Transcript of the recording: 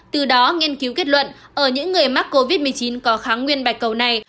từ đó nghiên cứu kết luận ở những người mắc covid một mươi chín có kháng nguyên bạch cầu này